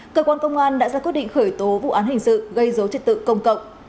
cơ quan công an đã ra quyết định khởi tố vụ án hình sự gây dối trật tự công cộng